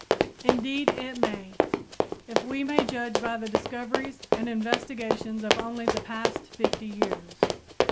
Indeed, it may, if we may judge by the discoveries and investigations of only the past fifty years.